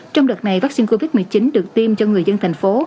trong đợt này vaccine covid một mươi chín được tiêm cho người dân thành phố